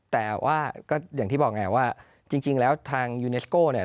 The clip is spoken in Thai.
แต่ว่าก็อย่างที่บอกไงว่าจริงแล้วทางยูเนสโก้เนี่ย